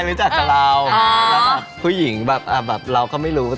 เราก็เพิ่งแบบเจอสถานการณ์นี้